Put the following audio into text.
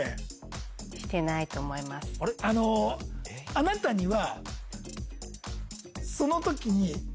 あなたには。